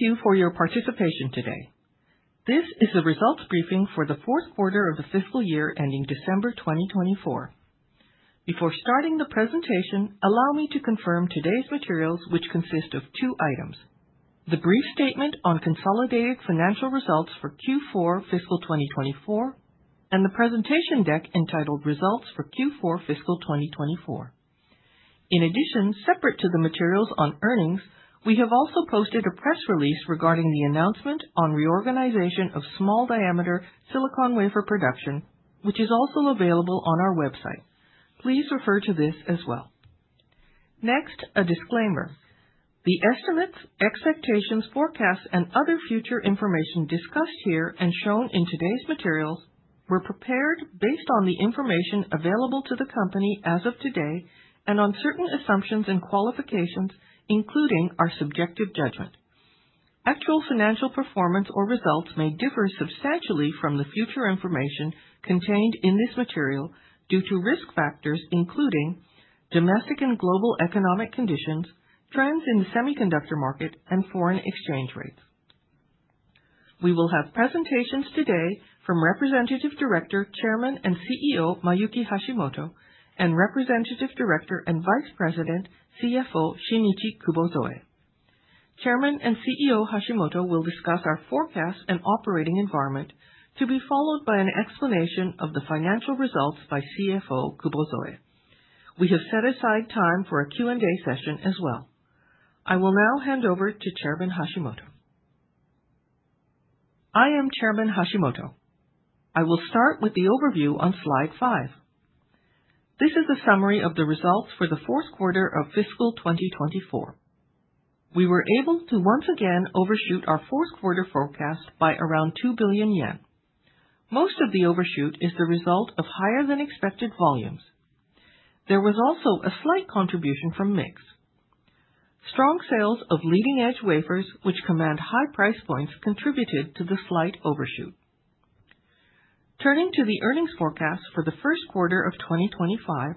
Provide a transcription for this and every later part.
Thank you for your participation today. This is the results briefing for the Q4 of the Fiscal Year Ending December 2024. Before starting the presentation, allow me to confirm today's materials, which consist of two items: the brief statement on consolidated financial results for Q4 Fiscal 2024 and the presentation deck entitled "Results for Q4 Fiscal 2024." In addition, separate to the materials on earnings, we have also posted a press release regarding the announcement on reorganization of small diameter silicon wafer production, which is also available on our website. Please refer to this as well. Next, a disclaimer. The estimates, expectations, forecasts, and other future information discussed here and shown in today's materials were prepared based on the information available to the company as of today and on certain assumptions and qualifications, including our subjective judgment. Actual financial performance or results may differ substantially from the future information contained in this material due to risk factors including domestic and global economic conditions, trends in the semiconductor market, and foreign exchange rates. We will have presentations today from Representative Director, Chairman, and CEO Mayuki Hashimoto and Representative Director and Vice President, CFO Shinichi Kubozoe. Chairman and CEO Hashimoto will discuss our forecasts and operating environment, to be followed by an explanation of the financial results by CFO Takarabe. We have set aside time for a Q&A session as well. I will now hand over to Chairman Hashimoto. I am Chairman Hashimoto. I will start with the overview on slide five. This is a sumillimeter ary of the results for the Q4 of Fiscal 2024. We were able to once again overshoot our Q4 forecast by around 2 billion yen. Most of the overshoot is the result of higher-than-expected volumes. There was also a slight contribution from mix. Strong sales of leading-edge wafers, which comillimeter and high price points, contributed to the slight overshoot. Turning to the earnings forecasts for the Q1 of 2025,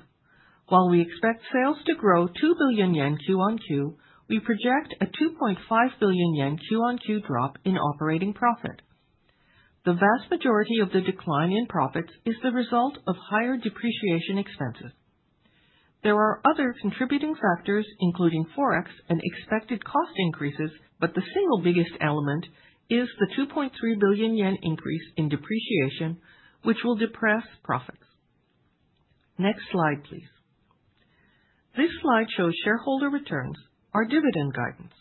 while we expect sales to grow 2 billion yen Q on Q, we project a 2.5 billion yen Q on Q drop in operating profit. The vast majority of the decline in profits is the result of higher depreciation expenses. There are other contributing factors, including forex and expected cost increases, but the single biggest element is the 2.3 billion yen increase in depreciation, which will depress profits. Next slide, please. This slide shows shareholder returns, our dividend guidance.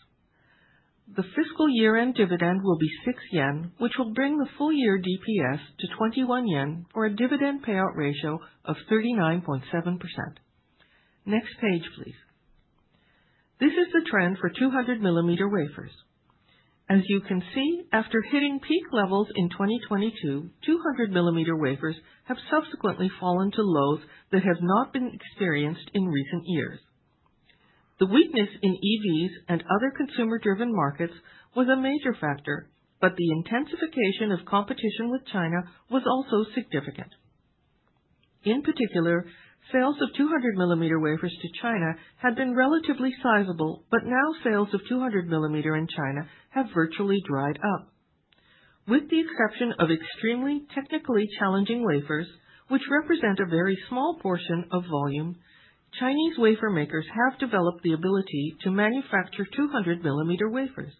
The Fiscal year-end dividend will be 6 yen, which will bring the full-year DPS to 21 yen for a dividend payout ratio of 39.7%. Next page, please. This is the trend for 200-millimeter wafers. as you can see, after hitting peak levels in 2022, 200 millimeter wafers have subsequently fallen to lows that have not been experienced in recent years. The weakness in EVs and other consumer-driven markets was a major factor, but the intensification of competition with China was also significant. In particular, sales of 200 millimeter wafers to China had been relatively sizable, but now sales of 200 millimeter wafers in China have virtually dried up. With the exception of extremely technically challenging wafers, which represent a very small portion of volume, Chinese wafer makers have developed the ability to manufacture 200-millimeter wafers.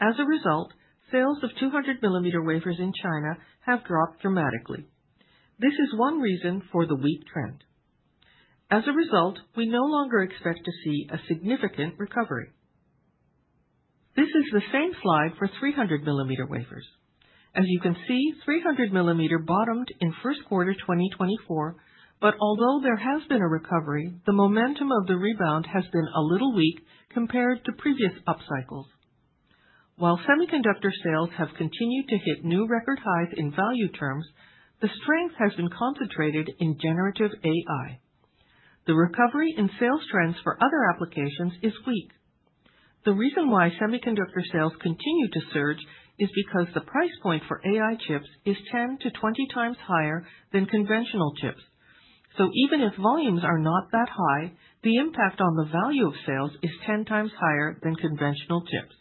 as a result, sales of 200-millimeter wafers in China have dropped dramatically. This is one reason for the weak trend. As a result, we no longer expect to see a significant recovery. This is the same slide for 300-millimeter wafers. As you can see, 300 millimeter bottomed in Q1 2024, but although there has been a recovery, the momentum of the rebound has been a little weak compared to previous up cycles. While semiconductor sales have continued to hit new record highs in value terms, the strength has been concentrated in generative AI. The recovery in sales trends for other applications is weak. The reason why semiconductor sales continue to surge is because the price point for AI chips is 10 to 20 times higher than conventional chips. So even if volumes are not that high, the impact on the value of sales is 10 times higher than conventional chips.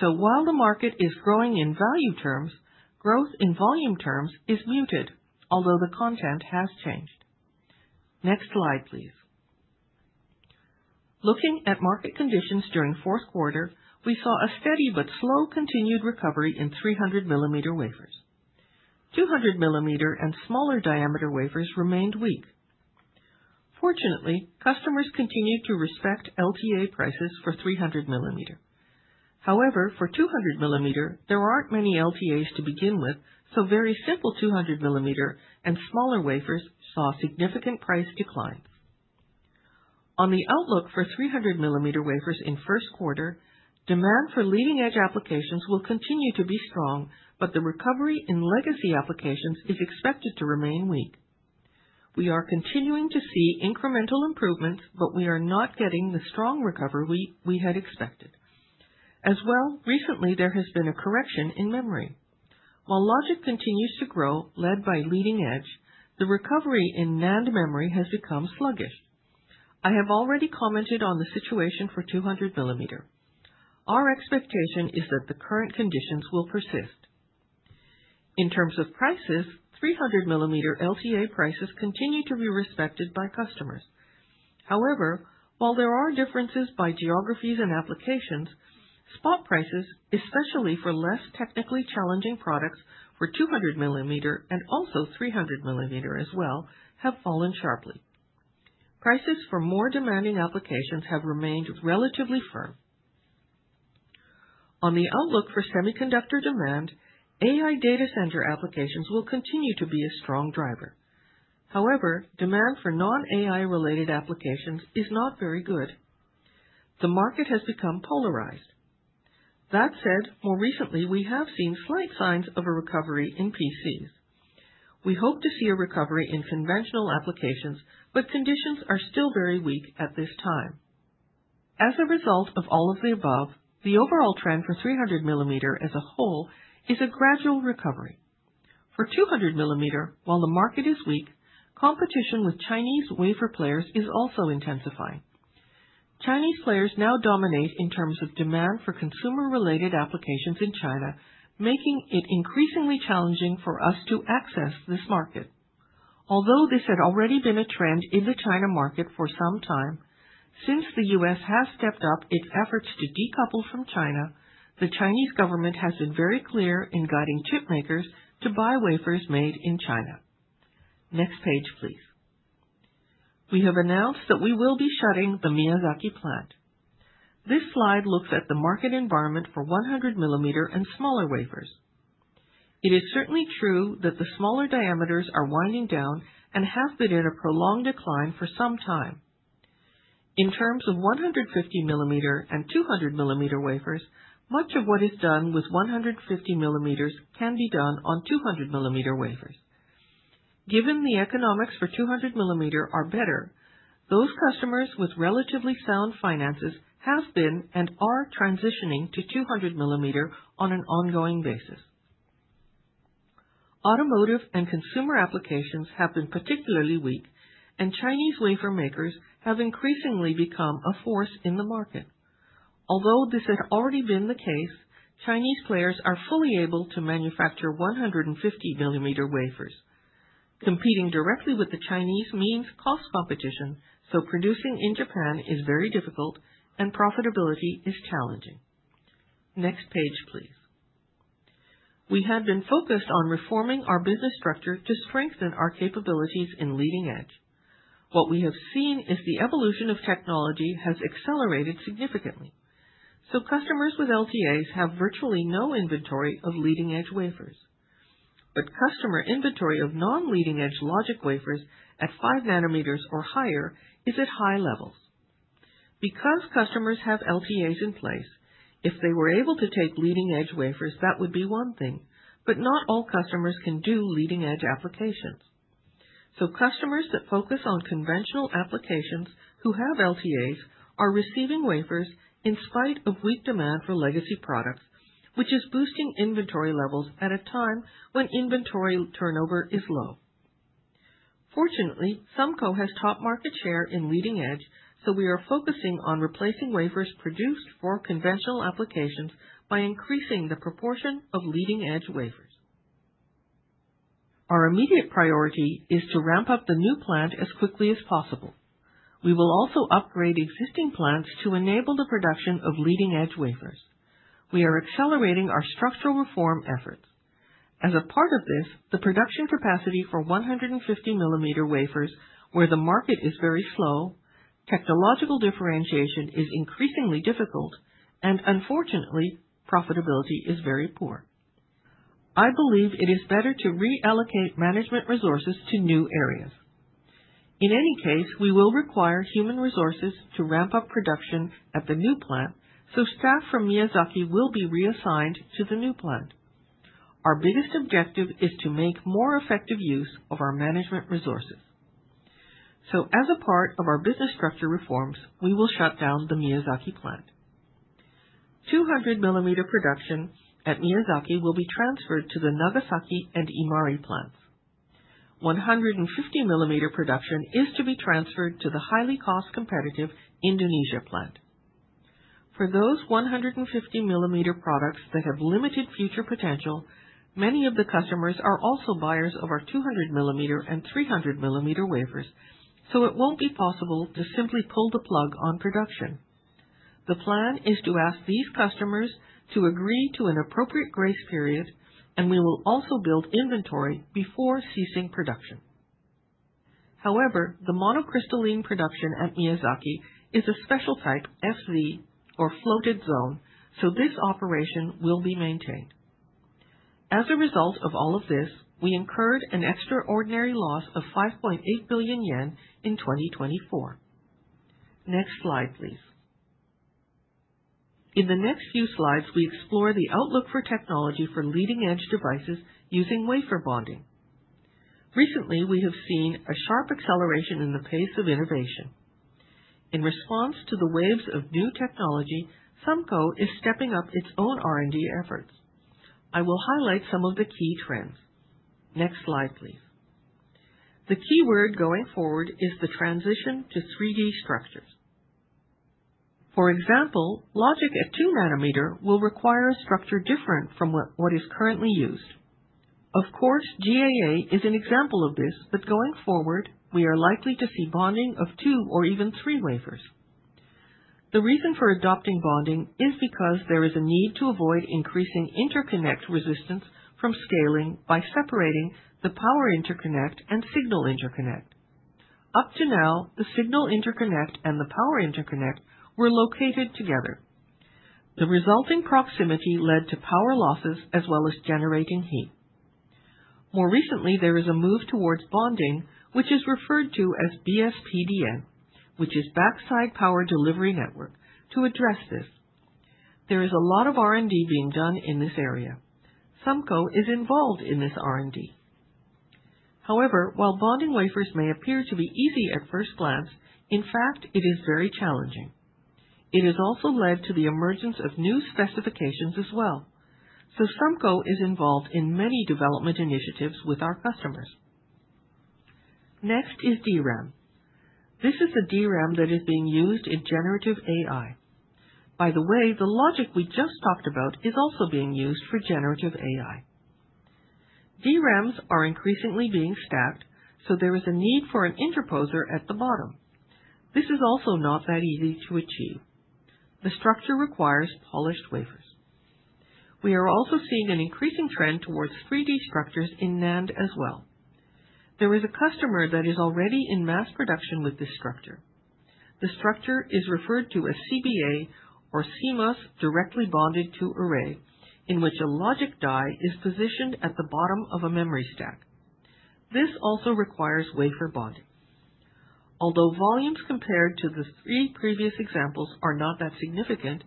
So while the market is growing in value terms, growth in volume terms is muted, although the content has changed. Next slide, please. Looking at market conditions during Q4, we saw a steady but slow continued recovery in 300 millimeter wafers. 200 millimeter and smaller diameter wafers remained weak. Fortunately, customers continued to respect LTA prices for 300 millimeter. However, for 200 millimeter, there aren't many LTAs to begin with, so very simple 200 millimeter and smaller wafers saw significant price declines. On the outlook for 300 millimeter wafers in Q1, demand for leading-edge applications will continue to be strong, but the recovery in legacy applications is expected to remain weak. We are continuing to see incremental improvements, but we are not getting the strong recovery we had expected. As well, recently there has been a correction in memory. While logic continues to grow, led by leading edge, the recovery in NAND memory has become sluggish. I have already comillimeter ented on the situation for 200 millimeter. Our expectation is that the current conditions will persist. In terms of prices, 300 millimeter LTA prices continue to be respected by customers. However, while there are differences by geographies and applications, spot prices, especially for less technically challenging products for 200 millimeter and also 300 millimeter as well, have fallen sharply. Prices for more demanding applications have remained relatively firm. On the outlook for semiconductor demand, AI data center applications will continue to be a strong driver. However, demand for non-AI related applications is not very good. The market has become polarized. That said, more recently we have seen slight signs of a recovery in PCs. We hope to see a recovery in conventional applications, but conditions are still very weak at this time. As a result of all of the above, the overall trend for 300 millimeter as a whole is a gradual recovery. For 200 millimeter, while the market is weak, competition with Chinese wafer players is also intensifying. Chinese players now dominate in terms of demand for consumer-related applications in China, making it increasingly challenging for us to access this market. Although this had already been a trend in the China market for some time, since the has stepped up its efforts to decouple from China, the Chinese government has been very clear in guiding chip makers to buy wafers made in China. Next page, please. We have announced that we will be shutting the Miyazaki Plant. This slide looks at the market environment for 100 millimeter and smaller wafers. It is certainly true that the smaller diameters are winding down and have been in a prolonged decline for some time. In terms of 150 millimeter and 200 millimeter wafers, much of what is done with 150 millimeters can be done on 200 millimeter wafers. Given the economics for 200 millimeter are better, those customers with relatively sound finances have been and are transitioning to 200 millimeter on an ongoing basis. Automotive and consumer applications have been particularly weak, and Chinese wafer makers have increasingly become a force in the market. Although this had already been the case, Chinese players are fully able to manufacture 150 millimeter wafers. Competing directly with the Chinese means cost competition, so producing in Japan is very difficult and profitability is challenging. Next page, please. We had been focused on reforming our business structure to strengthen our capabilities in leading-edge. What we have seen is the evolution of technology has accelerated significantly. So customers with LTAs have virtually no inventory of leading-edge wafers. But customer inventory of non-leading-edge logic wafers at five nanometers or higher is at high levels. Because customers have LTAs in place, if they were able to take leading-edge wafers, that would be one thing, but not all customers can do leading-edge applications. So customers that focus on conventional applications who have LTAs are receiving wafers in spite of weak demand for legacy products, which is boosting inventory levels at a time when inventory turnover is low. Fortunately, SUMCO has top market share in leading edge, so we are focusing on replacing wafers produced for conventional applications by increasing the proportion of leading-edge wafers. Our imillimeter ediate priority is to ramp up the new plant as quickly as possible. We will also upgrade existing plants to enable the production of leading-edge wafers. We are accelerating our structural reform efforts. As a part of this, the production capacity for 150 millimeter wafers, where the market is very slow, technological differentiation is increasingly difficult, and unfortunately, profitability is very poor. I believe it is better to reallocate management resources to new areas. In any case, we will require human resources to ramp up production at the new plant, so staff from Miyazaki will be reassigned to the new plant. Our biggest objective is to make more effective use of our management resources. So as a part of our business structure reforms, we will shut down the Miyazaki Plant. 200 millimeter production at Miyazaki will be transferred to the Nagasaki and Imari Plants. 150 millimeter production is to be transferred to the highly cost-competitive Indonesia Plant. For those 150 millimeter products that have limited future potential, many of the customers are also buyers of our 200 millimeter and 300 millimeter wafers, so it won't be possible to simply pull the plug on production. The plan is to ask these customers to agree to an appropriate grace period, and we will also build inventory before ceasing production. However, the monocrystalline production at Miyazaki is a special type FZ or Floated Zone, so this operation will be maintained. As a result of all of this, we incurred an extraordinary loss of 5.8 billion yen in 2024. Next slide, please. In the next few slides, we explore the outlook for technology for leading-edge devices using wafer bonding. Recently, we have seen a sharp acceleration in the pace of innovation. In response to the waves of new technology, SUMCO is stepping up its own R&D efforts. I will highlight some of the key trends. Next slide, please. The key word going forward is the transition to 3D structures. For example, logic at 2 nanometer will require a structure different from what is currently used. Of course, GAA is an example of this, but going forward, we are likely to see bonding of two or even three wafers. The reason for adopting bonding is because there is a need to avoid increasing interconnect resistance from scaling by separating the power interconnect and signal interconnect. Up to now, the signal interconnect and the power interconnect were located together. The resulting proximity led to power losses as well as generating heat. More recently, there is a move towards bonding, which is referred to as BSPDN, which is Backside Power Delivery Network, to address this. There is a lot of R&D being done in this area. SUMCO is involved in this R&D. However, while bonding wafers may appear to be easy at first glance, in fact, it is very challenging. It has also led to the emergence of new specifications as well. So SUMCO is involved in many development initiatives with our customers. Next is DRAM. This is the DRAM that is being used in generative AI. By the way, the logic we just talked about is also being used for generative AI. DRAMs are increasingly being stacked, so there is a need for an interposer at the bottom. This is also not that easy to achieve. The structure requires polished wafers. We are also seeing an increasing trend towards 3D structures in NAND as well. There is a customer that is already in mass production with this structure. The structure is referred to as CBA or CMOS, directly bonded to array, in which a logic die is positioned at the bottom of a memory stack. This also requires wafer bonding. Although volumes compared to the three previous examples are not that significant,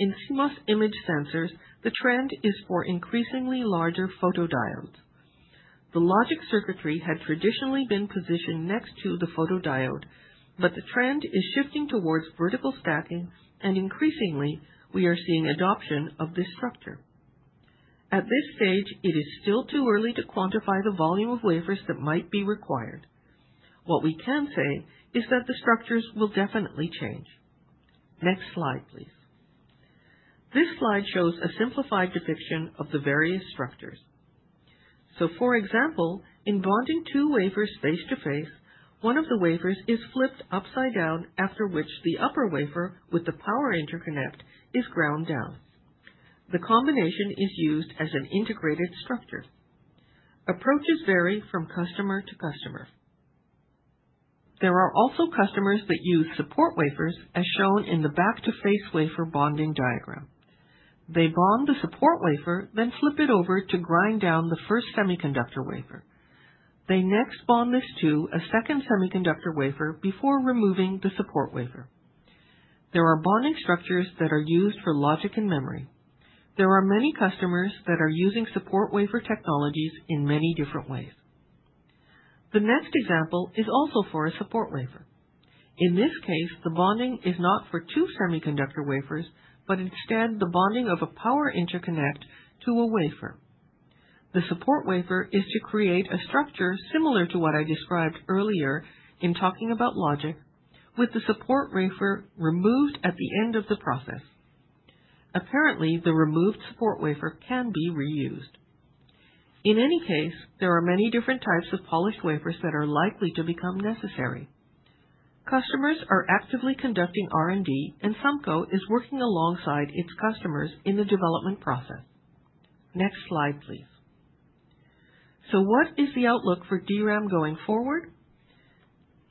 in CMOS image sensors, the trend is for increasingly larger photodiodes. The logic circuitry had traditionally been positioned next to the photodiode, but the trend is shifting towards vertical stacking, and increasingly, we are seeing adoption of this structure. At this stage, it is still too early to quantify the volume of wafers that might be required. What we can say is that the structures will definitely change. Next slide, please. This slide shows a simplified depiction of the various structures. For example, in bonding two wafers face to face, one of the wafers is flipped upside down, after which the upper wafer with the power interconnect is ground down. The combination is used as an integrated structure. Approaches vary from customer to customer. There are also customers that use support wafers, as shown in the back-to-face wafer bonding diagram. They bond the support wafer, then flip it over to grind down the first semiconductor wafer. They next bond this to a second semiconductor wafer before removing the support wafer. There are bonding structures that are used for logic and memory. There are many customers that are using support wafer technologies in many different ways. The next example is also for a support wafer. In this case, the bonding is not for two semiconductor wafers, but instead the bonding of a power interconnect to a wafer. The support wafer is to create a structure similar to what I described earlier in talking about logic, with the support wafer removed at the end of the process. Apparently, the removed support wafer can be reused. In any case, there are many different types of polished wafers that are likely to become necessary. Customers are actively conducting R&D, and SUMCO is working alongside its customers in the development process. Next slide, please. So what is the outlook for DRAM going forward?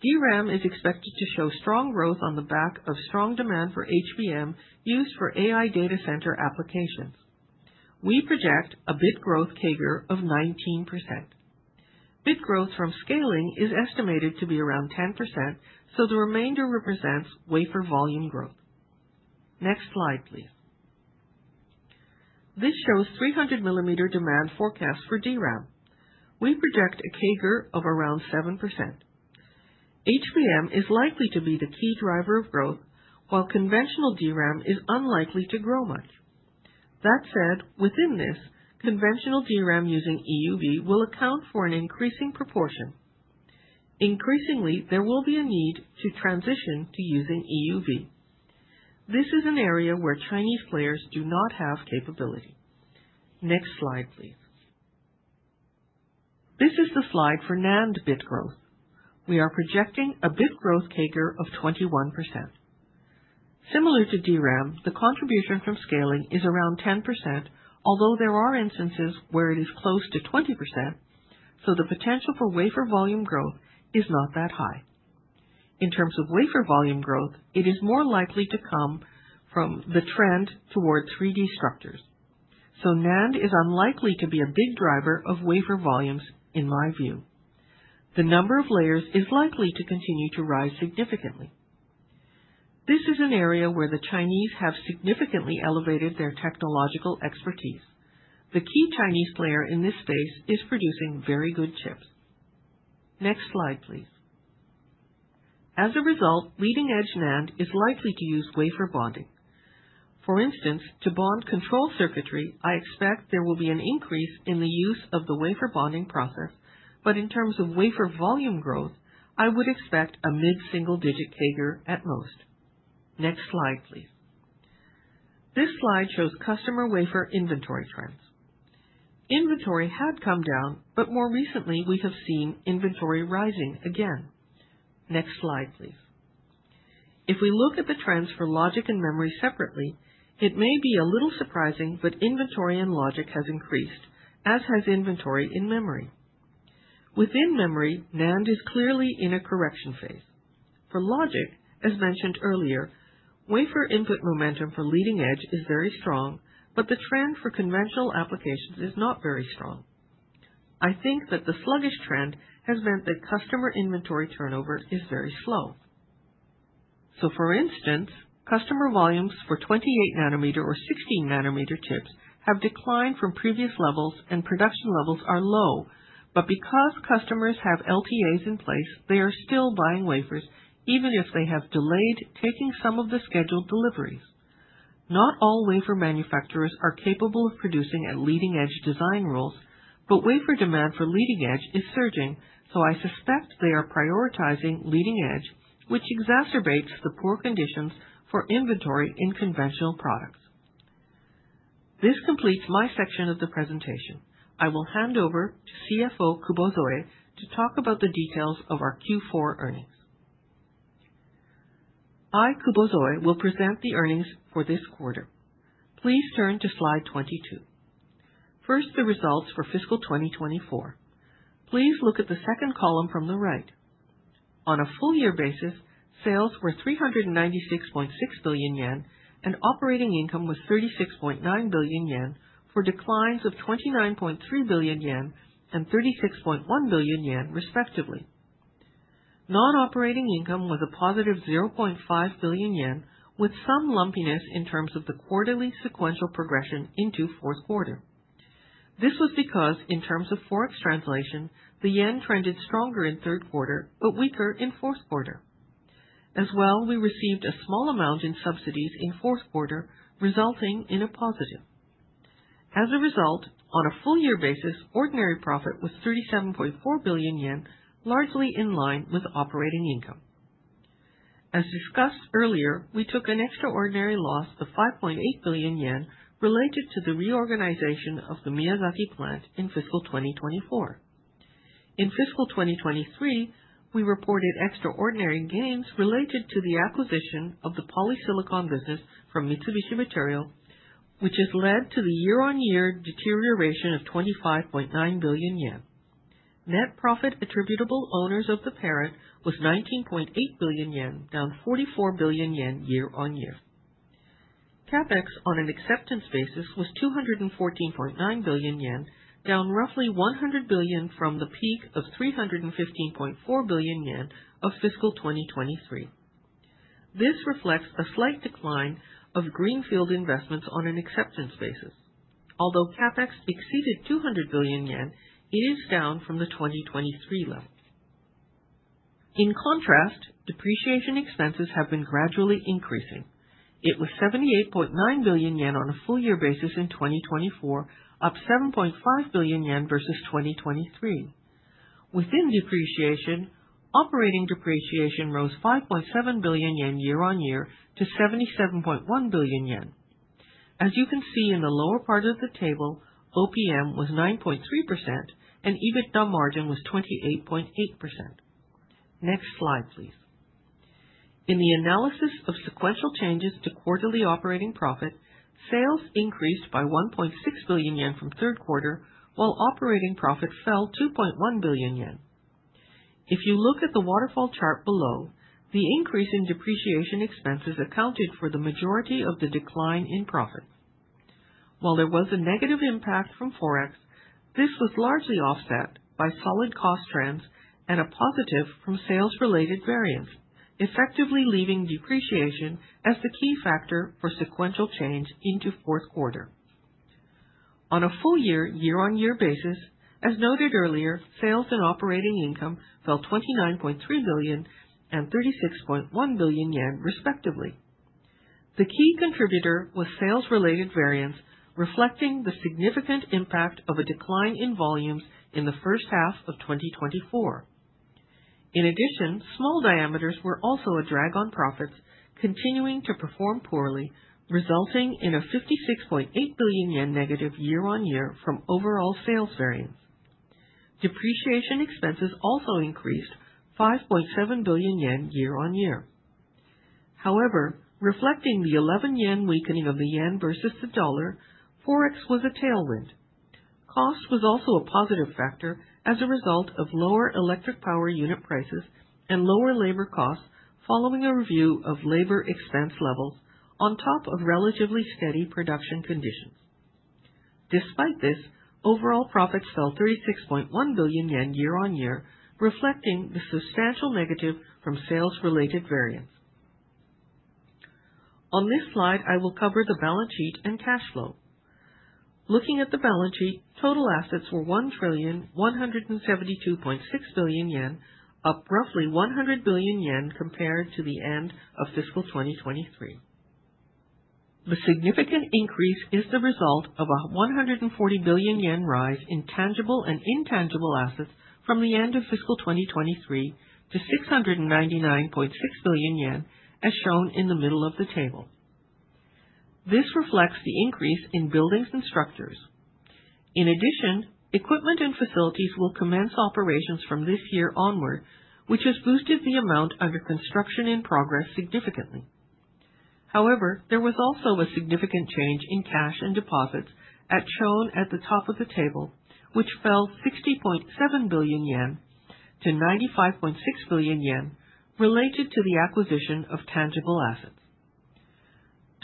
DRAM is expected to show strong growth on the back of strong demand for HBM used for AI data center applications. We project a bit growth CAGR of 19%. Bit growth from scaling is estimated to be around 10%, so the remainder represents wafer volume growth. Next slide, please. This shows 300 millimeter demand forecast for DRAM. We project a CAGR of around 7%. HBM is likely to be the key driver of growth, while conventional DRAM is unlikely to grow much. That said, within this, conventional DRAM using EUV will account for an increasing proportion. Increasingly, there will be a need to transition to using EUV. This is an area where Chinese players do not have capability. Next slide, please. This is the slide for NAND bit growth. We are projecting a bit growth CAGR of 21%. Similar to DRAM, the contribution from scaling is around 10%, although there are instances where it is close to 20%, so the potential for wafer volume growth is not that high. In terms of wafer volume growth, it is more likely to come from the trend toward 3D structures. So NAND is unlikely to be a big driver of wafer volumes, in my view. The number of layers is likely to continue to rise significantly. This is an area where the Chinese have significantly elevated their technological expertise. The key Chinese player in this space is producing very good chips. Next slide, please. As a result, leading-edge NAND is likely to use wafer bonding. For instance, to bond control circuitry, I expect there will be an increase in the use of the wafer bonding process, but in terms of wafer volume growth, I would expect a mid-single digit CAGR at most. Next slide, please. This slide shows customer wafer inventory trends. Inventory had come down, but more recently, we have seen inventory rising again. Next slide, please. If we look at the trends for logic and memory separately, it may be a little surprising, but inventory in logic has increased, as has inventory in memory. Within memory, NAND is clearly in a correction phase. For logic, as mentioned earlier, wafer input momentum for leading-edge is very strong, but the trend for conventional applications is not very strong. I think that the sluggish trend has meant that customer inventory turnover is very slow. So for instance, customer volumes for 28 nanometer or 16 nanometer chips have declined from previous levels, and production levels are low, but because customers have LTAs in place, they are still buying wafers, even if they have delayed taking some of the scheduled deliveries. Not all wafer manufacturers are capable of producing at leading-edge design rules, but wafer demand for leading edge is surging, so I suspect they are prioritizing leading edge, which exacerbates the poor conditions for inventory in conventional products. This completes my section of the presentation. I will hand over to CFO Takarabe to talk about the details of our Q4 earnings. I, Kubozoe, will present the earnings for this quarter. Please turn to slide 22. First, the results forFiscal 2024. Please look at the second column from the right. On a full-year basis, sales were 396.6 billion yen, and operating income was 36.9 billion yen, for declines of 29.3 billion yen and 36.1 billion yen, respectively. Non-operating income was a positive 0.5 billion yen, with some lumpiness in terms of the quarterly sequential progression into Q4. This was because, in terms of forex translation, the yen trended stronger in Q3, but weaker in Q4. As well, we received a small amount in subsidies in Q4, resulting in a positive. As a result, on a full-year basis, ordinary profit was 37.4 billion yen, largely in line with operating income. As discussed earlier, we took an extraordinary loss of 5.8 billion yen related to the reorganization of the Miyazaki Plant in Fiscal 2024. In Fiscal 2023, we reported extraordinary gains related to the acquisition of the polysilicon business from Mitsubishi Materials, which has led to the year-on-year deterioration of 25.9 billion yen. Net profit attributable to owners of the parent was 19.8 billion yen, down 44 billion yen year-on-year. CapEx on an acceptance basis was 214.9 billion yen, down roughly 100 billion from the peak of 315.4 billion yen of Fiscal 2023. This reflects a slight decline of greenfield investments on an acceptance basis. Although CapEx exceeded 200 billion yen, it is down from the 2023 level. In contrast, depreciation expenses have been gradually increasing. It was 78.9 billion yen on a full-year basis in 2024, up 7.5 billion yen versus 2023. Within depreciation, operating depreciation rose 5.7 billion yen year-on-year to 77.1 billion yen. As you can see in the lower part of the table, OPM was 9.3%, and EBITDA margin was 28.8%. Next slide, please. In the analysis of sequential changes to quarterly operating profit, sales increased by 1.6 billion yen from Q3, while operating profit fell 2.1 billion yen. If you look at the waterfall chart below, the increase in depreciation expenses accounted for the majority of the decline in profits. While there was a negative impact from forex, this was largely offset by solid cost trends and a positive from sales-related variance, effectively leaving depreciation as the key factor for sequential change into Q4. On a full-year, year-on-year basis, as noted earlier, sales and operating income fell 29.3 billion and 36.1 billion yen, respectively. The key contributor was sales-related variance, reflecting the significant impact of a decline in volumes in the first half of 2024. In addition, small diameters were also a drag on profits, continuing to perform poorly, resulting in a 56.8 billion yen negative year-on-year from overall sales variance. Depreciation expenses also increased 5.7 billion yen year-on-year. However, reflecting the 11 yen weakening of the yen versus the dollar, forex was a tailwind. Cost was also a positive factor as a result of lower electric power unit prices and lower labor costs following a review of labor expense levels, on top of relatively steady production conditions. Despite this, overall profits fell 36.1 billion yen year-on-year, reflecting the substantial negative from sales-related variance. On this slide, I will cover the balance sheet and cash flow. Looking at the balance sheet, total assets were 1 trillion 172.6 billion, up roughly 100 billion yen compared to the end of Fiscal 2023. The significant increase is the result of a 140 billion yen rise in tangible and intangible assets from the end of Fiscal 2023 to 699.6 billion yen, as shown in the middle of the table. This reflects the increase in buildings and structures. In addition, equipment and facilities will commence operations from this year onward, which has boosted the amount under construction in progress significantly. However, there was also a significant change in cash and deposits, as shown at the top of the table, which fell 60.7 to 95.6 billion, related to the acquisition of tangible assets.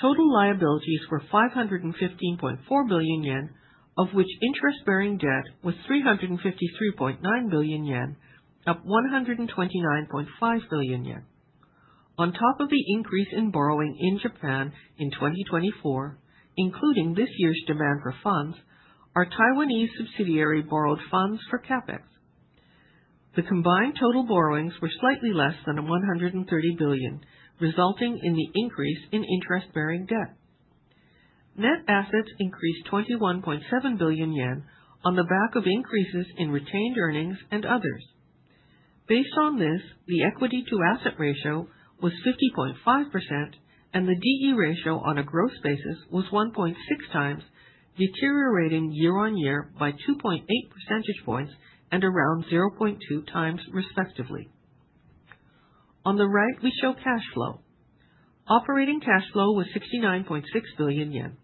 Total liabilities were 515.4 billion yen, of which interest-bearing debt was 353.9 billion yen, up 129.5 billion yen. On top of the increase in borrowing in Japan in 2024, including this year's demand for funds, our Taiwanese subsidiary borrowed funds for CapEx. The combined total borrowings were slightly less than 130 billion, resulting in the increase in interest-bearing debt. Net assets increased 21.7 billion yen on the back of increases in retained earnings and others. Based on this, the equity-to-asset ratio was 50.5%, and the D/E ratio on a gross basis was 1.6 times, deteriorating year-on-year by 2.8 percentage points and around 0.2 times, respectively. On the right, we show cash flow. Operating cash flow was 69.6 billion yen.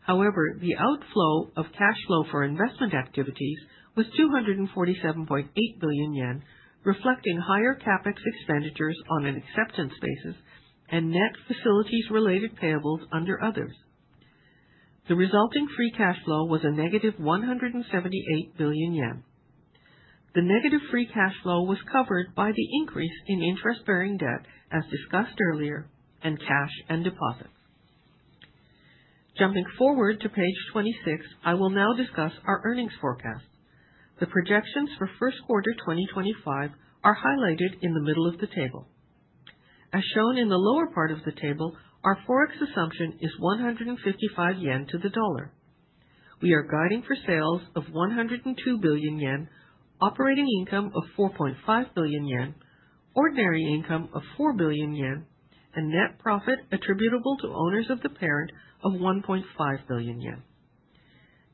However, the outflow of cash flow for investment activities was 247.8 billion yen, reflecting higher CapEx expenditures on an acceptance basis and net facilities-related payables under others. The resulting free cash flow was a negative 178 billion yen. The negative free cash flow was covered by the increase in interest-bearing debt, as discussed earlier, and cash and deposits. Jumping forward to page 26, I will now discuss our earnings forecast. The projections for Q1 2025 are highlighted in the middle of the table. As shown in the lower part of the table, our forex assumption is 155 yen to the dollar. We are guiding for sales of 102 billion yen, operating income of 4.5 billion yen, ordinary income of 4 billion yen, and net profit attributable to owners of the parent of 1.5 billion yen.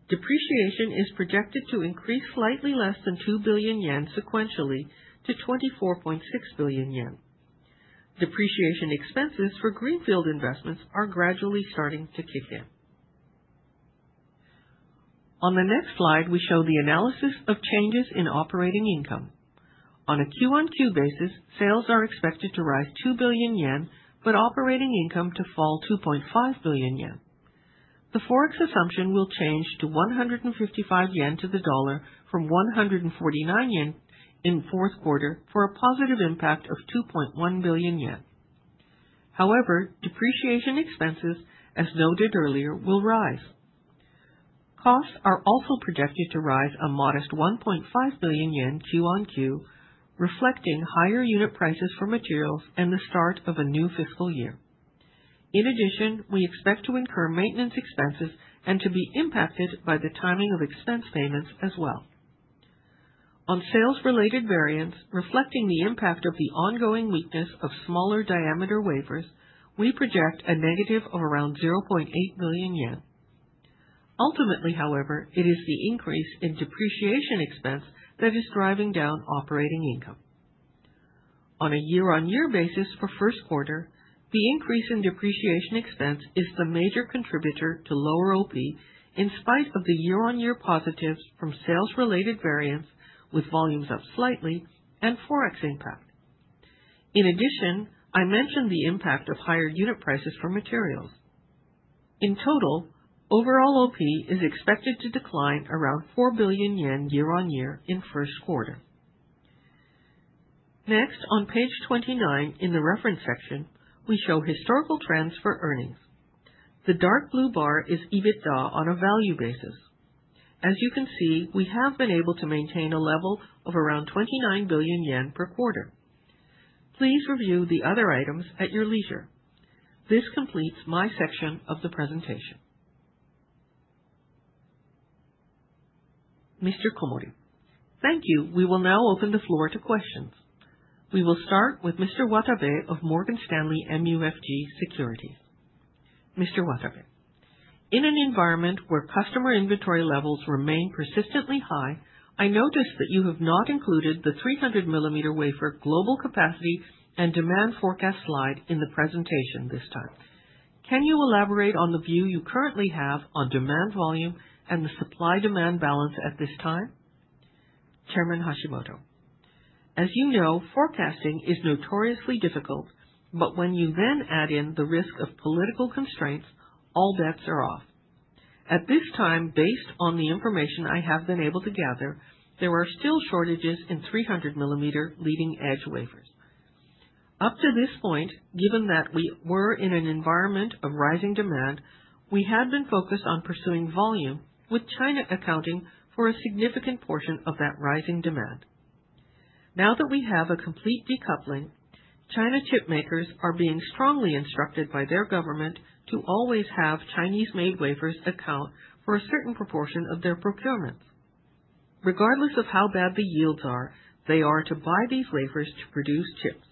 Depreciation is projected to increase slightly less than 2 sequentially to 24.6 billion. Depreciation expenses for greenfield investments are gradually starting to kick in. On the next slide, we show the analysis of changes in operating income. On a Q on Q basis, sales are expected to rise 2 billion yen, but operating income to fall 2.5 billion yen. The forex assumption will change to 155 yen to the dollar from 149 yen in Q4 for a positive impact of 2.1 billion yen. However, depreciation expenses, as noted earlier, will rise. Costs are also projected to rise a modest 1.5 billion yen Q on Q, reflecting higher unit prices for materials and the start of a new fiscal year. In addition, we expect to incur maintenance expenses and to be impacted by the timing of expense payments as well. On sales-related variance, reflecting the impact of the ongoing weakness of smaller diameter wafers, we project a negative of around 0.8 billion yen. Ultimately, however, it is the increase in depreciation expense that is driving down operating income. On a year-on-year basis for Q1, the increase in depreciation expense is the major contributor to lower OP in spite of the year-on-year positives from sales-related variance, with volumes up slightly, and forex impact. In addition, I mentioned the impact of higher unit prices for materials. In total, overall OP is expected to decline around 4 billion yen year-on-year in Q1. Next, on page 29 in the reference section, we show historical trends for earnings. The dark blue bar is EBITDA on a value basis. As you can see, we have been able to maintain a level of around 29 billion yen per quarter. Please review the other items at your leisure. This completes my section of the presentation. Mr. Komori thank you. We will now open the floor to questions. We will start with Mr. Watabe of Morgan Stanley MUFG Securities. Mr. Watabe in an environment where customer inventory levels remain persistently high, I noticed that you have not included the 300 millimeter wafer global capacity and demand forecast slide in the presentation this time. Can you elaborate on the view you currently have on demand volume and the supply-demand balance at this time? Chairman Hashimoto. As you know, forecasting is notoriously difficult, but when you then add in the risk of political constraints, all bets are off. At this time, based on the information I have been able to gather, there are still shortages in 300 millimeter leading-edge wafers. Up to this point, given that we were in an environment of rising demand, we had been focused on pursuing volume, with China accounting for a significant portion of that rising demand. Now that we have a complete decoupling, China chipmakers are being strongly instructed by their government to always have Chinese-made wafers account for a certain proportion of their procurements. Regardless of how bad the yields are, they are to buy these wafers to produce chips.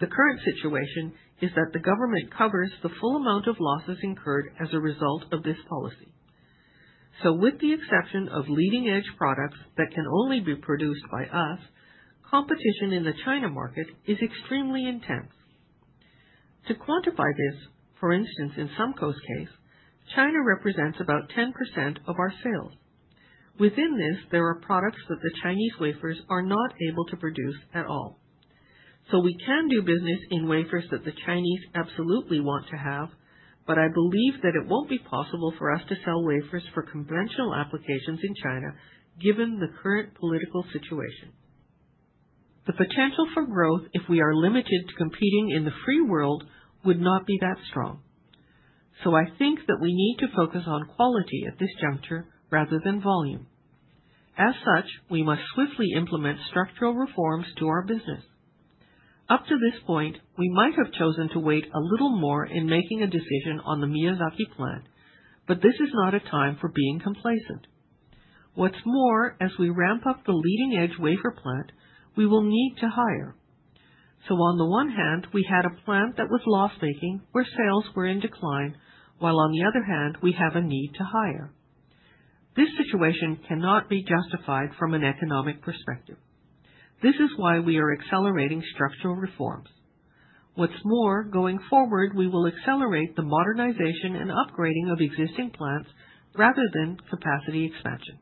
The current situation is that the government covers the full amount of losses incurred as a result of this policy. So, with the exception of leading-edge products that can only be produced by us, competition in the China market is extremely intense. To quantify this, for instance, in SUMCO's case, China represents about 10% of our sales. Within this, there are products that the Chinese wafers are not able to produce at all. We can do business in wafers that the Chinese absolutely want to have, but I believe that it won't be possible for us to sell wafers for conventional applications in China, given the current political situation. The potential for growth, if we are limited to competing in the free world, would not be that strong. I think that we need to focus on quality at this juncture rather than volume. As such, we must swiftly implement structural reforms to our business. Up to this point, we might have chosen to wait a little more in making a decision on the Miyazaki Plant, but this is not a time for being complacent. What's more, as we ramp up the leading-edge wafer plant, we will need to hire. On the one hand, we had a plant that was loss-making, where sales were in decline, while on the other hand, we have a need to hire. This situation cannot be justified from an economic perspective. This is why we are accelerating structural reforms. What's more, going forward, we will accelerate the modernization and upgrading of existing plants rather than capacity expansion.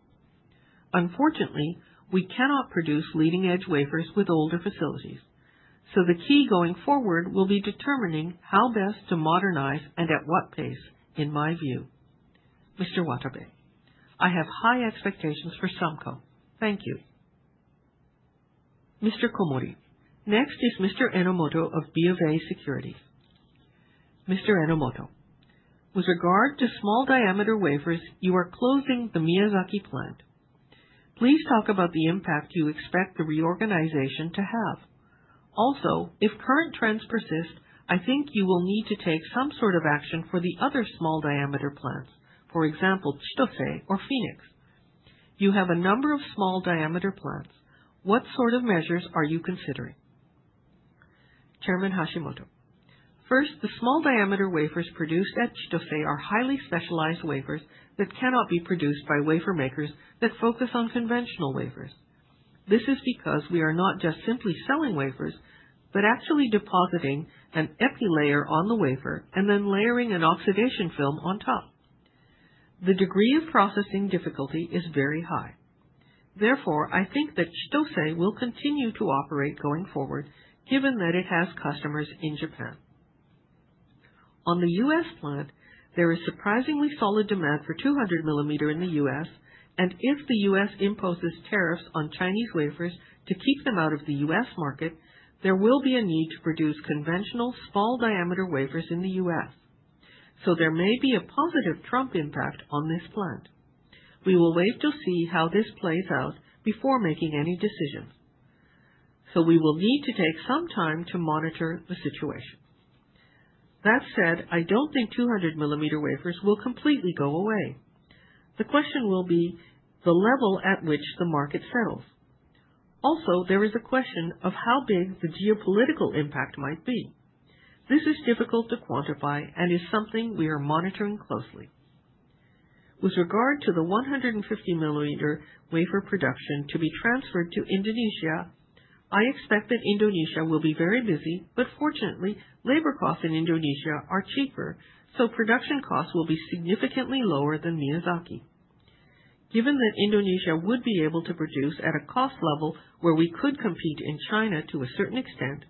Unfortunately, we cannot produce leading-edge wafers with older facilities. So, the key going forward will be determining how best to modernize and at what pace, in my view. Mr. Watabe, I have high expectations for SUMCO. Thank you. Mr. Komori. Next is Mr. Enomoto of BofA Securities. Mr. Enomoto. with regard to small diameter wafers, you are closing the Miyazaki plant. Please talk about the impact you expect the reorganization to have? Also, if current trends persist, I think you will need to take some sort of action for the other small diameter plants, for example, Chitose or Phoenix. You have a number of small diameter plants. What sort of measures are you considering? Chairman Hashimoto. First, the small diameter wafers produced at Chitose are highly specialized wafers that cannot be produced by wafer makers that focus on conventional wafers. This is because we are not just simply selling wafers, but actually depositing an epilayer on the wafer and then layering an oxidation film on top. The degree of processing difficulty is very high. Therefore, I think that Chitose will continue to operate going forward, given that it has customers in Japan. On the U.S. plant, there is surprisingly solid demand for 200 millimeter in the U.S., and if the U.S. imposes tariffs on Chinese wafers to keep them out of the U.S. market, there will be a need to produce conventional small diameter wafers in the U.S. So, there may be a positive Trump impact on this plant. We will wait to see how this plays out before making any decisions. So, we will need to take some time to monitor the situation. That said, I don't think 200 millimeter wafers will completely go away. The question will be the level at which the market settles. Also, there is a question of how big the geopolitical impact might be. This is difficult to quantify and is something we are monitoring closely. With regard to the 150 millimeter wafer production to be transferred to Indonesia, I expect that Indonesia will be very busy, but fortunately, labor costs in Indonesia are cheaper, so production costs will be significantly lower than Miyazaki. Given that Indonesia would be able to produce at a cost level where we could compete in China to a certain extent,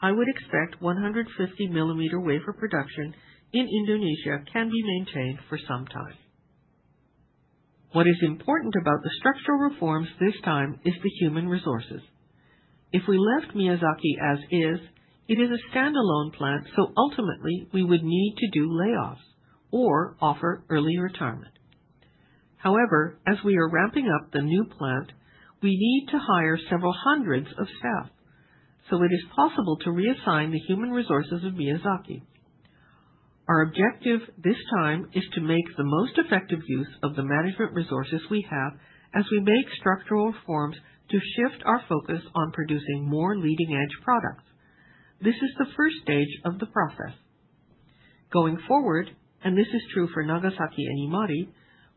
I would expect 150 millimeter wafer production in Indonesia can be maintained for some time. What is important about the structural reforms this time is the human resources. If we left Miyazaki as is, it is a standalone plant, so ultimately, we would need to do layoffs or offer early retirement. However, as we are ramping up the new plant, we need to hire several hundreds of staff, so it is possible to reassign the human resources of Miyazaki. Our objective this time is to make the most effective use of the management resources we have as we make structural reforms to shift our focus on producing more leading-edge products. This is the first stage of the process. Going forward, and this is true for Nagasaki and Imari,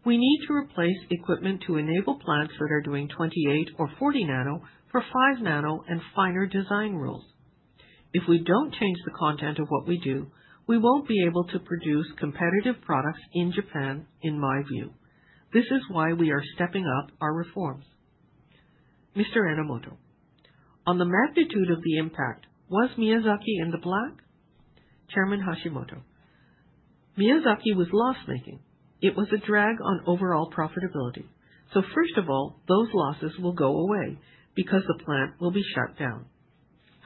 we need to replace equipment to enable plants that are doing 28 or 40 nano for 5 nano and finer design rules. If we don't change the content of what we do, we won't be able to produce competitive products in Japan, in my view. This is why we are stepping up our reforms. Mr. Enomoto, on the magnitude of the impact, was Miyazaki in the black? Chairman Hashimoto, Miyazaki was loss-making. It was a drag on overall profitability. So, first of all, those losses will go away because the plant will be shut down.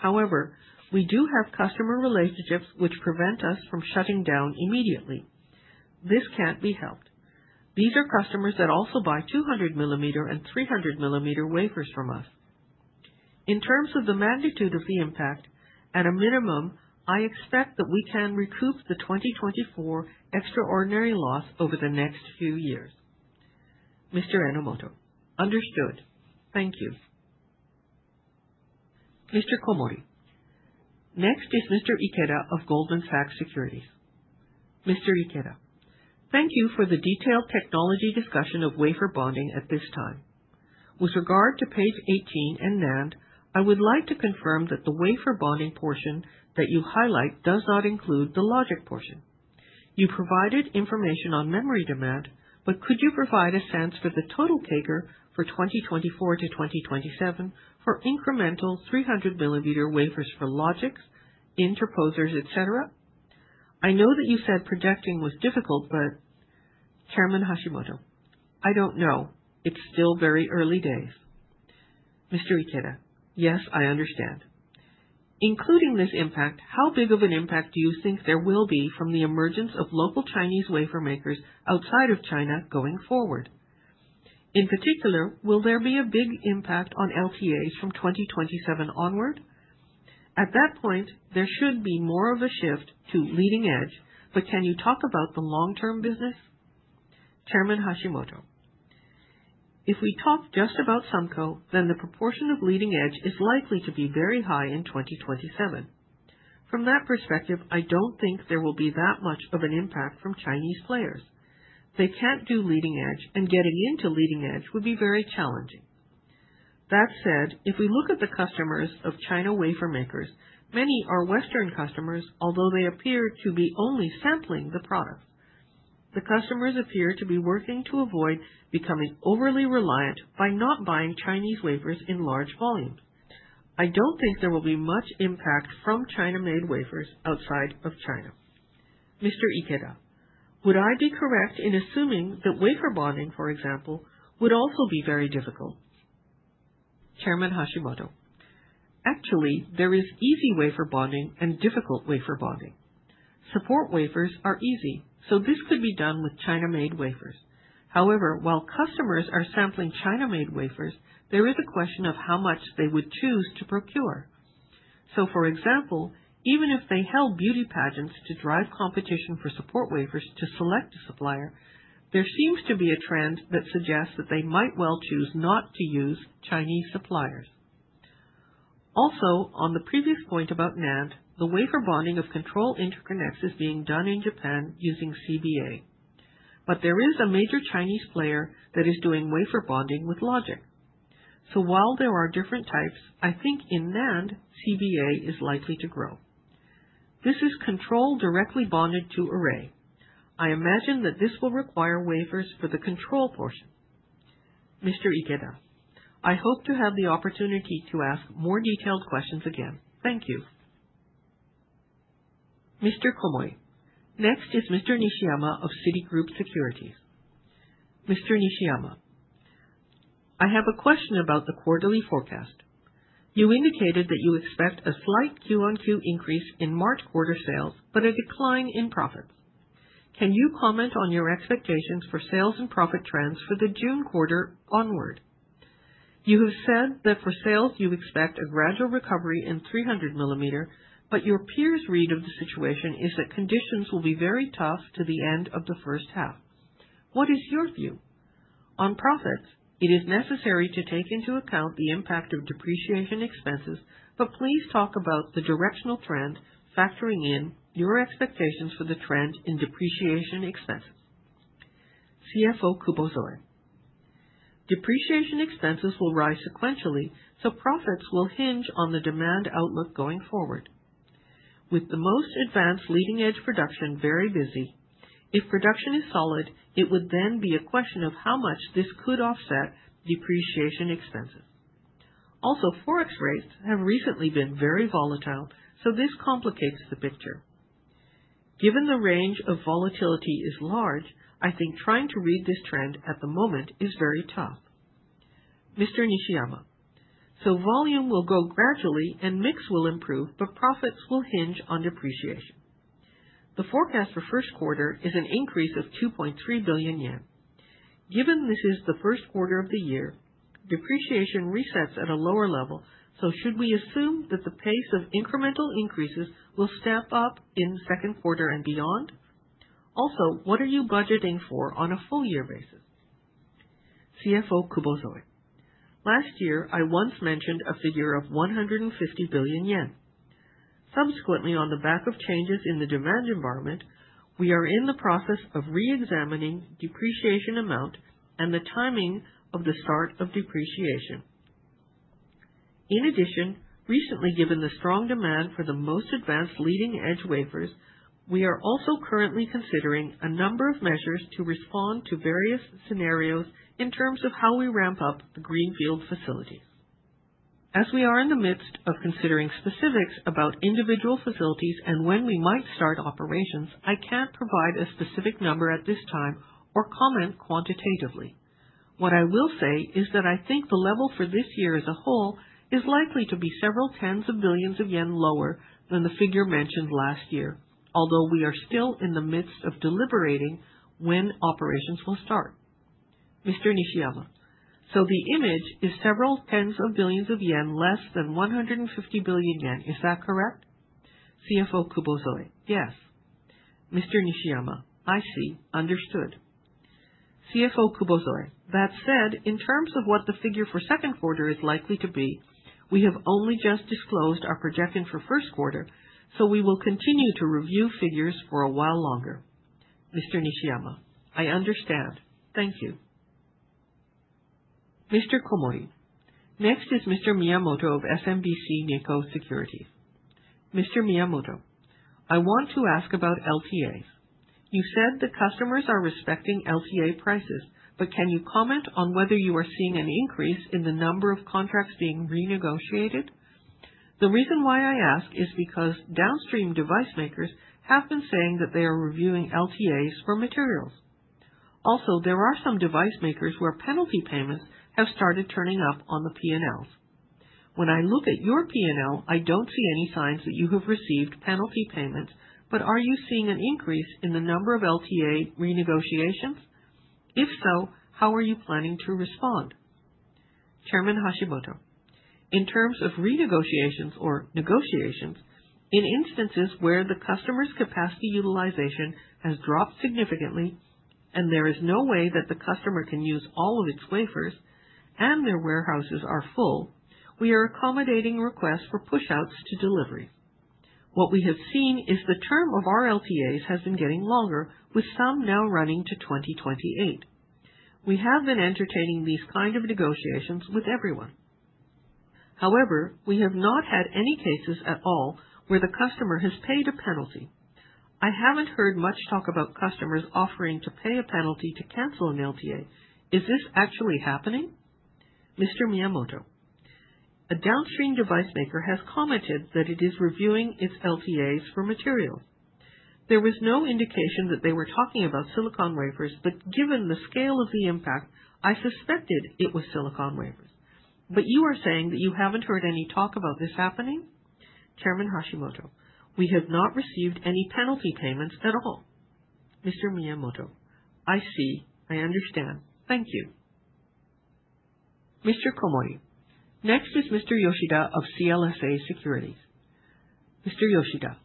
However, we do have customer relationships which prevent us from shutting down imillimeter ediately. This can't be helped. These are customers that also buy 200 millimeter and 300 millimeter wafers from us. In terms of the magnitude of the impact, at a minimum, I expect that we can recoup the 2024 extraordinary loss over the next few years. Mr. Enomoto, understood. Thank you. Mr. Komori. Next is Mr. Ikeda of Goldman Sachs Securities. Mr. Ikeda. Thank you for the detailed technology discussion of wafer bonding at this time. With regard to page 18 and NAND, I would like to confirm that the wafer bonding portion that you highlight does not include the logic portion. You provided information on memory demand, but could you provide a sense for the total CAGR for 2024 to 2027 for incremental 300 millimeter wafers for logics, interposers, etc.? I know that you said projecting was difficult, but Chairman Hashimoto, I don't know. It's still very early days. Mr. Ikeda, yes, I understand. Including this impact, how big of an impact do you think there will be from the emergence of local Chinese wafer makers outside of China going forward? In particular, will there be a big impact on LTAs from 2027 onward? At that point, there should be more of a shift to leading-edge, but can you talk about the long-term business? Chairman Hashimoto, if we talk just about SUMCO, then the proportion of leading-edge is likely to be very high in 2027. From that perspective, I don't think there will be that much of an impact from Chinese players. They can't do leading-edge, and getting into leading-edge would be very challenging. That said, if we look at the customers of China wafer makers, many are Western customers, although they appear to be only sampling the products. The customers appear to be working to avoid becoming overly reliant by not buying Chinese wafers in large volumes. I don't think there will be much impact from China-made wafers outside of China. Mr. Ikeda, would I be correct in assuming that wafer bonding, for example, would also be very difficult? Chairman Hashimoto, actually, there is easy wafer bonding and difficult wafer bonding. Support wafers are easy, so this could be done with China-made wafers. However, while customers are sampling China-made wafers, there is a question of how much they would choose to procure. So, for example, even if they held beauty pageants to drive competition for support wafers to select a supplier, there seems to be a trend that suggests that they might well choose not to use Chinese suppliers. Also, on the previous point about NAND, the wafer bonding of control interconnects is being done in Japan using CBA, but there is a major Chinese player that is doing wafer bonding with logic. So, while there are different types, I think in NAND, CBA is likely to grow. This is control directly bonded to array. I imagine that this will require wafers for the control portion. Mr. Ikeda, I hope to have the opportunity to ask more detailed questions again. Thank you. Mr. Komori. Next is Mr. Nishiyama of Citigroup Securities. Mr. Nishiyama. I have a question about the quarterly forecast. You indicated that you expect a slight Q on Q increase in March quarter sales, but a decline in profits. Can you comillimeter ent on your expectations for sales and profit trends for the June quarter onward? You have said that for sales, you expect a gradual recovery in 300 millimeter, but your peers' read of the situation is that conditions will be very tough to the end of the first half. What is your view? On profits, it is necessary to take into account the impact of depreciation expenses, but please talk about the directional trend factoring in your expectations for the trend in depreciation expenses. CFO Takarabe, depreciation expenses will rise sequentially, so profits will hinge on the demand outlook going forward. With the most advanced leading-edge production very busy, if production is solid, it would then be a question of how much this could offset depreciation expenses. Also, forex rates have recently been very volatile, so this complicates the picture. Given the range of volatility is large, I think trying to read this trend at the moment is very tough. Mr. Nishiyama, so volume will go gradually and mix will improve, but profits will hinge on depreciation. The forecast for Q1 is an increase of 2.3 billion yen. Given this is the Q1 of the year, depreciation resets at a lower level, so should we assume that the pace of incremental increases will step up in Q2 and beyond? Also, what are you budgeting for on a full year basis? CFO Takarabe, last year, I once mentioned a figure of 150 billion yen. Subsequently, on the back of changes in the demand environment, we are in the process of re-examining depreciation amount and the timing of the start of depreciation. In addition, recently, given the strong demand for the most advanced leading-edge wafers, we are also currently considering a number of measures to respond to various scenarios in terms of how we ramp up the greenfield facilities. As we are in the midst of considering specifics about individual facilities and when we might start operations, I can't provide a specific number at this time or comillimeter ent quantitatively. What I will say is that I think the level for this year as a whole is likely to be several tens of billions of yen lower than the figure mentioned last year, although we are still in the midst of deliberating when operations will start. Mr. Nishiyama, so the image is several tens of billions of yen less than 150 billion yen, is that correct? CFO Takarabe. yes. Mr. Nishiyama, I see, understood. CFO Takarabe, that said, in terms of what the figure for Q2 is likely to be, we have only just disclosed our projection for Q1, so we will continue to review figures for a while longer. Mr. Nishiyama, I understand. Thank you. Mr. Komori. Next is Mr. Miyamoto of SMBC Nikko Securities. Mr. Miyamoto. I want to ask about LTAs. You said the customers are respecting LTA prices, but can you comillimeter ent on whether you are seeing an increase in the number of contracts being renegotiated? The reason why I ask is because downstream device makers have been saying that they are reviewing LTAs for materials. Also, there are some device makers where penalty payments have started turning up on the P&Ls. When I look at your P&L, I don't see any signs that you have received penalty payments, but are you seeing an increase in the number of LTA renegotiations? If so, how are you planning to respond? Chairman Hashimoto, in terms of renegotiations or negotiations, in instances where the customer's capacity utilization has dropped significantly and there is no way that the customer can use all of its wafers and their warehouses are full, we are accomillimeter odating requests for push-outs to delivery. What we have seen is the term of our LTAs has been getting longer, with some now running to 2028. We have been entertaining these kinds of negotiations with everyone. However, we have not had any cases at all where the customer has paid a penalty. I haven't heard much talk about customers offering to pay a penalty to cancel an LTA. Is this actually happening? Mr. Miyamoto, a downstream device maker has comillimeter ented that it is reviewing its LTAs for materials. There was no indication that they were talking about silicon wafers, but given the scale of the impact, I suspected it was silicon wafers. But you are saying that you haven't heard any talk about this happening? Chairman Hashimoto, we have not received any penalty payments at all. Mr. Miyamoto, I see, I understand. Thank you. Mr. Komori. Next is Mr. Yoshida of CLSA Securities. Mr. Yoshida,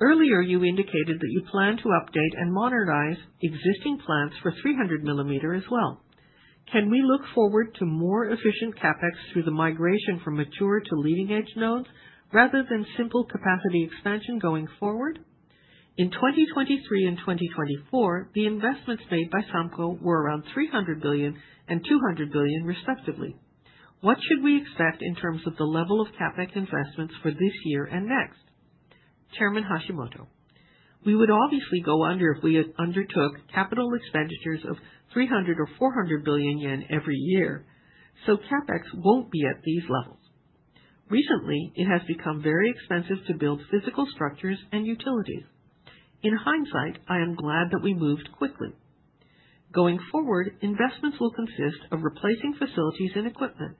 Earlier you indicated that you plan to update and modernize existing plants for 300 millimeter as well. Can we look forward to more efficient CapEx through the migration from mature to leading-edge nodes rather than simple capacity expansion going forward? In 2023 and 2024, the investments made by SUMCO were around 300 billion and 200 billion respectively. What should we expect in terms of the level of CapEx investments for this year and next? Chairman Hashimoto, we would obviously go under if we undertook capital expenditures of 300 billion or 400 billion yen every year, so CapEx won't be at these levels. Recently, it has become very expensive to build physical structures and utilities. In hindsight, I am glad that we moved quickly. Going forward, investments will consist of replacing facilities and equipment.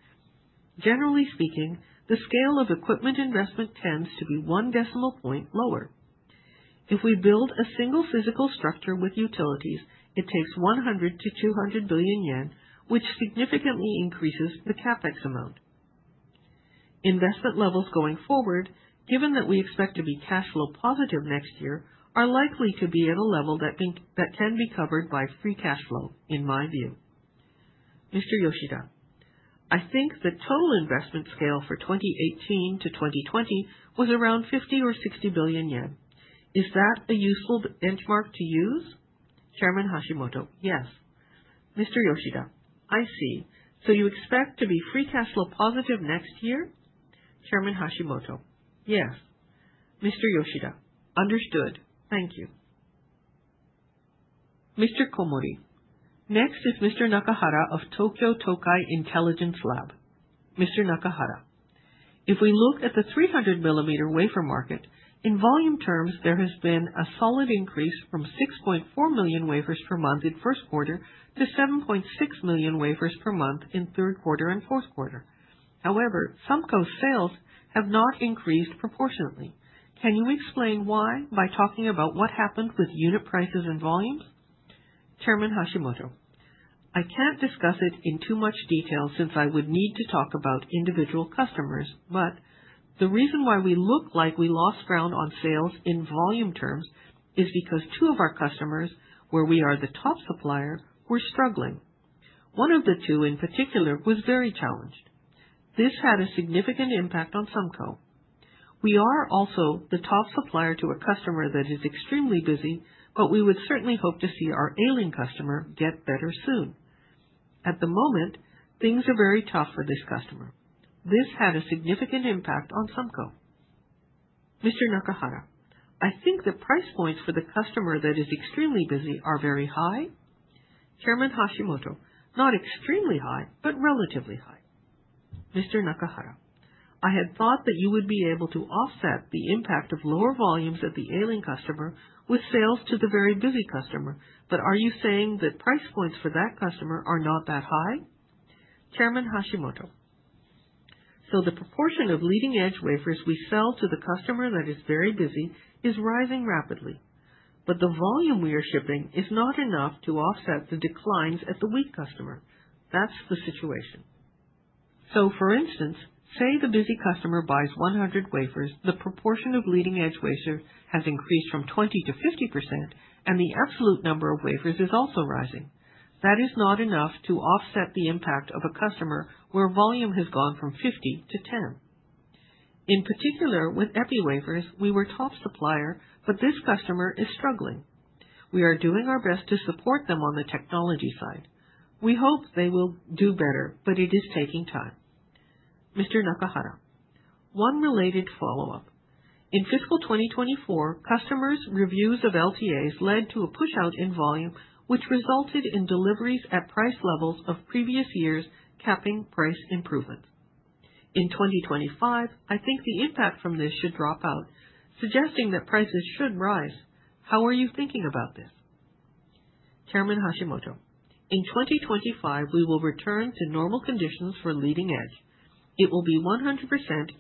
Generally speaking, the scale of equipment investment tends to be one decimal point lower. If we build a single physical structure with utilities, it takes 100 billion to 200 billion yen, which significantly increases the CapEx amount. Investment levels going forward, given that we expect to be cash flow positive next year, are likely to be at a level that can be covered by free cash flow, in my view. Mr. Yoshida, I think the total investment scale for 2018 to 2020 was around 50 billion or 60 billion yen. Is that a useful benchmark to use? Chairman Hashimoto, yes. Mr. Yoshida, I see. So you expect to be free cash flow positive next year? Chairman Hashimoto, yes. Mr. Yoshida, understood. Thank you. Mr. Komori. next is Mr. Nakahara of Tokai Tokyo Intelligence Lab. Mr. Nakahara, if we look at the 300 millimeter wafer market, in volume terms, there has been a solid increase from 6.4 million wafers per month in Q1 to 7.6 million wafers per month in Q3 and Q4. However, SUMCO's sales have not increased proportionately. Can you explain why by talking about what happened with unit prices and volumes? Chairman Hashimoto, I can't discuss it in too much detail since I would need to talk about individual customers, but the reason why we look like we lost ground on sales in volume terms is because two of our customers, where we are the top supplier, were struggling. One of the two in particular was very challenged. This had a significant impact on SUMCO. We are also the top supplier to a customer that is extremely busy, but we would certainly hope to see our ailing customer get better soon. At the moment, things are very tough for this customer. This had a significant impact on SUMCO. Mr. Nakahara, I think the price points for the customer that is extremely busy are very high? Chairman Hashimoto, not extremely high, but relatively high. Mr. Nakahara, I had thought that you would be able to offset the impact of lower volumes at the ailing customer with sales to the very busy customer, but are you saying that price points for that customer are not that high? Chairman Hashimoto, so the proportion of leading-edge wafers we sell to the customer that is very busy is rising rapidly, but the volume we are shipping is not enough to offset the declines at the weak customer. That's the situation. So, for instance, say the busy customer buys 100 wafers, the proportion of leading-edge wafers has increased from 20% to 50%, and the absolute number of wafers is also rising. That is not enough to offset the impact of a customer where volume has gone from 50 to 10. In particular, with epi wafers, we were top supplier, but this customer is struggling. We are doing our best to support them on the technology side. We hope they will do better, but it is taking time. Mr. Nakahara, one related follow-up. In Fiscal 2024, customers' reviews of LTAs led to a push-out in volume, which resulted in deliveries at price levels of previous years capping price improvements. In 2025, I think the impact from this should drop out, suggesting that prices should rise. How are you thinking about this? Chairman Hashimoto, in 2025, we will return to normal conditions for leading-edge. It will be 100%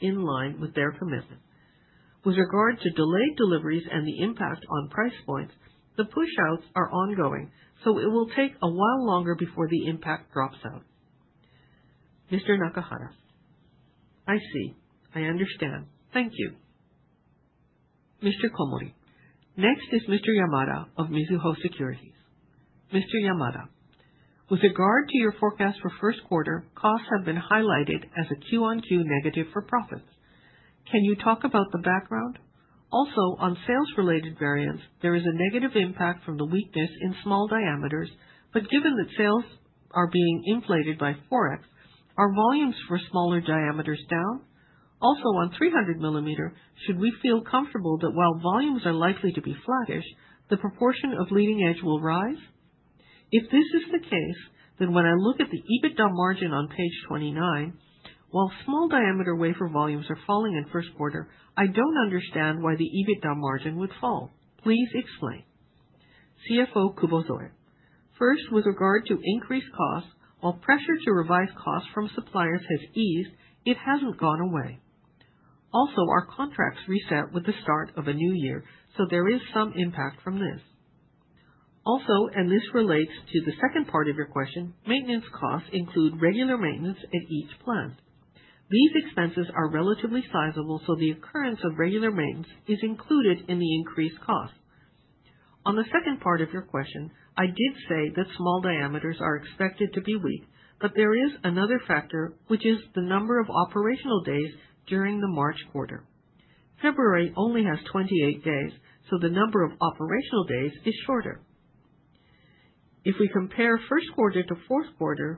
in line with their commitment. With regard to delayed deliveries and the impact on price points, the push-outs are ongoing, so it will take a while longer before the impact drops out. Mr. Nakahara, I see. I understand. Thank you. Mr. Komori, next is Mr. Yamada of Mizuho Securities. Mr. Yamada, with regard to your forecast for Q1, costs have been highlighted as a Q on Q negative for profits. Can you talk about the background? Also, on sales-related variances, there is a negative impact from the weakness in small diameters, but given that sales are being inflated by forex, are volumes for smaller diameters down? Also, on 300 millimeter, should we feel comfortable that while volumes are likely to be flattish, the proportion of leading-edge will rise? If this is the case, then when I look at the EBITDA margin on page 29, while small diameter wafer volumes are falling in Q1, I don't understand why the EBITDA margin would fall. Please explain. CFO Takarabe, first, with regard to increased costs, while pressure to revise costs from suppliers has eased, it hasn't gone away. Also, our contracts reset with the start of a new year, so there is some impact from this. Also, and this relates to the second part of your question, maintenance costs include regular maintenance at each plant. These expenses are relatively sizable, so the occurrence of regular maintenance is included in the increased cost. On the second part of your question, I did say that small diameters are expected to be weak, but there is another factor, which is the number of operational days during the March quarter. February only has 28 days, so the number of operational days is shorter. If we compare Q1 to Q4,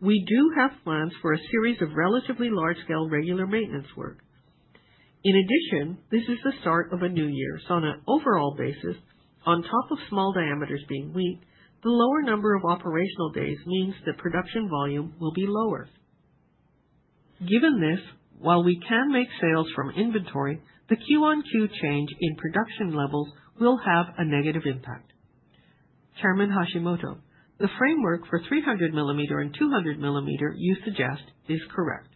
we do have plans for a series of relatively large-scale regular maintenance work. In addition, this is the start of a new year, so on an overall basis, on top of small diameters being weak, the lower number of operational days means that production volume will be lower. Given this, while we can make sales from inventory, the Q on Q change in production levels will have a negative impact. Chairman Hashimoto, the framework for 300 millimeter and 200 millimeter you suggest is correct.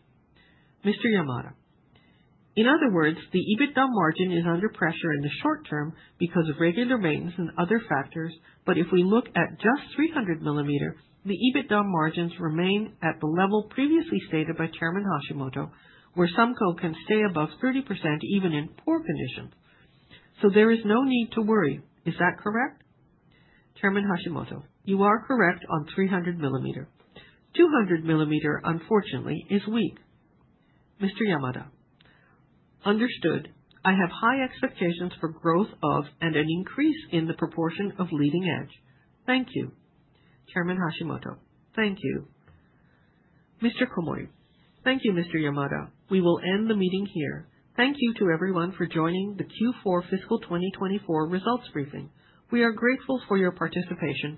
Mr. Yamada, in other words, the EBITDA margin is under pressure in the short term because of regular maintenance and other factors, but if we look at just 300 millimeter, the EBITDA margins remain at the level previously stated by Chairman Hashimoto, where SUMCO can stay above 30% even in poor conditions. So there is no need to worry. Is that correct? Chairman Hashimoto, you are correct on 300 millimeter. 200 millimeter, unfortunately, is weak. Mr. Yamada, understood. I have high expectations for growth of and an increase in the proportion of leading-edge. Thank you. Chairman Hashimoto, thank you. Mr. Komori, thank you, Mr. Yamada. We will end the meeting here. Thank you to everyone for joining the Q4 Fiscal 2024 results briefing. We are grateful for your participation.